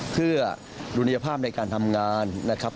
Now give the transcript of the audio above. เพื่อดุลยภาพในการทำงานนะครับ